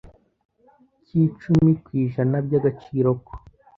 cy icumi ku ijana by agaciro ko